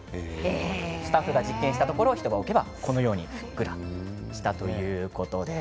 スタッフが実験したところ、このようにふっくらしたということです。